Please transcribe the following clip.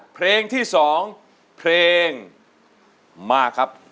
เพลงที่๒เพลงมาครับ